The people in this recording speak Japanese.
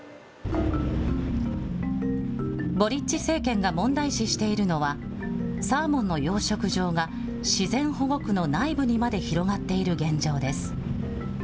ボリッチ政権が問題視しているのは、サーモンの養殖場が自然保護区の内部にまで広がっている現状です。